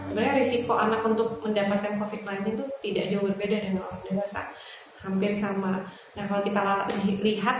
sebenarnya risiko anak untuk mendapatkan covid sembilan belas itu